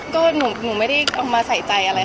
ก็หนูไม่ได้เอามาใส่ใจอะไรค่อนนั้นแล้ว